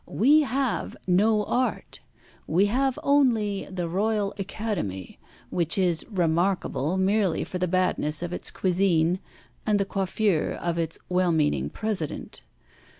We have no art. We have only the Royal Academy, which is remarkable merely for the badness of its cuisine, and the coiffure of its well meaning President.